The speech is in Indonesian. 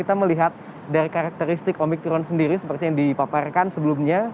kita melihat dari karakteristik omikron sendiri seperti yang dipaparkan sebelumnya